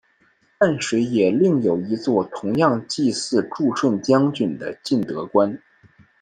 淡水也另有一座同样祭祀助顺将军的晋德宫。